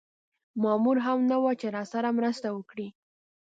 مامور هم نه و چې راسره مرسته وکړي.